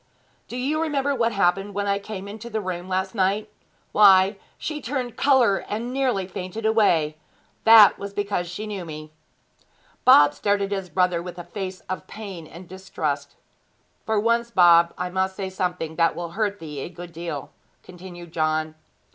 Do you remember what happened when I came into the room last night? Why, she turned colour and nearly fainted away. That was because she knew me.' Bob stared at his brother with a face of pain and distrust. 'For once, Bob, I must say something that will hurt thee a good deal,' continued John.